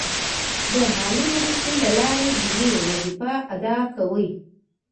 د مالي مرستې له لارې دیني وظیفه ادا کوي.